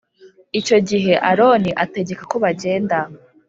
Icyogihe aroni ategeka ko bagenda